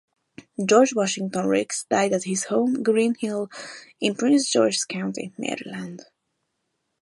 George Washington Riggs died at his home, Green Hill, in Prince George's County, Maryland.